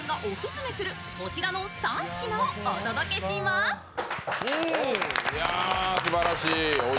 すばらしい！